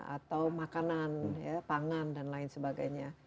atau makanan ya pangan dan lain sebagainya